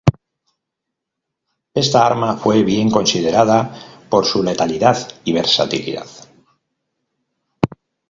Esta arma fue bien considerada por su letalidad y versatilidad.